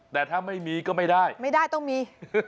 แต่ถ้าไม่มีก็ไม่ได้ไม่ได้ต้องมี